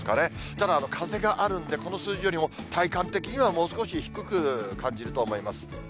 ただ風があるんで、この数字よりも体感的にはもう少し低く感じると思います。